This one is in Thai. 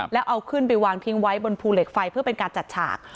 แล้วเอาขึ้นไปวางทิ้งไว้บนภูเหล็กไฟเพื่อเป็นการจัดฉาก